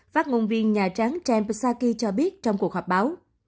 phát ngôn viên nhà tráng trang psaki cho biết trong cuộc họp báo